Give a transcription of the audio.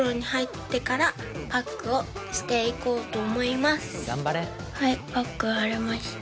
まずはいパック貼れました。